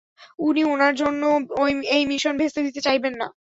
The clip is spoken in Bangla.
উনি ওনার জন্য এই মিশন ভেস্তে দিতে চাইবেন না।